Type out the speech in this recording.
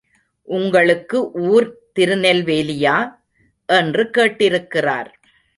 உங்களுக்கு ஊர் திருநெல்வேலியா? என்று கேட்டிருக்கிறார்.